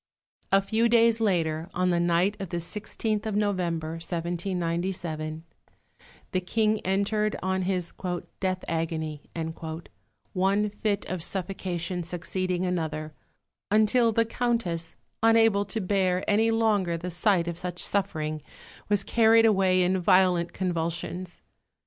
A few days later, on the night of the 16th of November (1797), the King entered on his "death agony," one fit of suffocation succeeding another, until the Countess, unable to bear any longer the sight of such suffering, was carried away in violent convulsions.